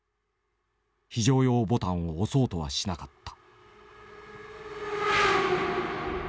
非常用ボタンを押そうとはしなかった。